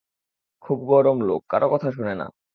খুব গরম লোক, কারো কথা শোনে না।